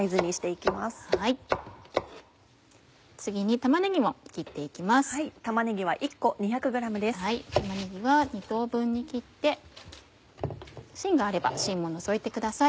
玉ねぎは２等分に切って芯があれば芯も除いてください。